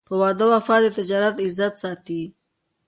په وعده وفا د تجارت عزت ساتي.